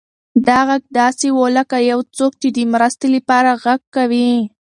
دا غږ داسې و لکه یو څوک چې د مرستې لپاره غږ کوي.